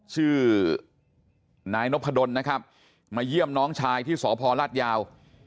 ชื่อนายนพดลนะครับมาเยี่ยมน้องชายที่สพลาดยาว